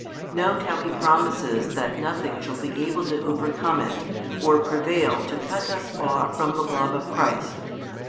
Note how he promises that nothing |402 shall be able to overcome it or prevail to cut us off from the love of Christ.